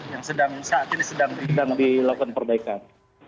yang saat ini sedang dilakukan perbaikan